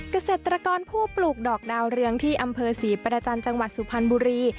เกษตรกรผู้ปลูกดอกดาวเรืองที่อำเภอศรีประจันทร์จังหวัดสุพรรณบุรี